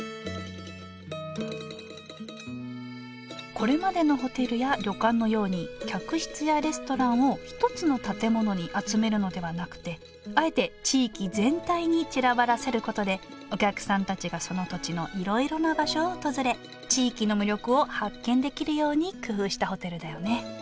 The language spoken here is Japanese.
これまでのホテルや旅館のように客室やレストランを一つの建物に集めるのではなくてあえて地域全体に散らばらせることでお客さんたちがその土地のいろいろな場所を訪れ地域の魅力を発見できるように工夫したホテルだよね